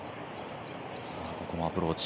ここもアプローチ。